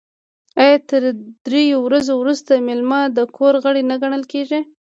آیا تر دریو ورځو وروسته میلمه د کور غړی نه ګڼل کیږي؟